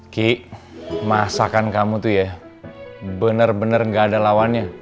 ki masakan kamu tuh ya benar benar gak ada lawannya